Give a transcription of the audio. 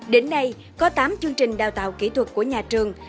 đến nay có tám chương trình đào tạo kỹ thuật của nhà trường